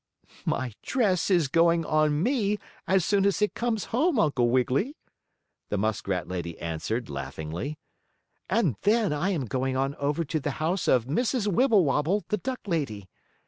"My dress is going on me, as soon as it comes home, Uncle Wiggily," the muskrat lady answered, laughingly. "And then I am going on over to the house of Mrs. Wibblewobble, the duck lady.